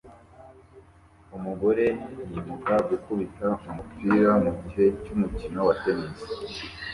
Umugore yimuka gukubita umupira mugihe cy'umukino wa tennis